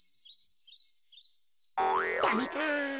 ダメか。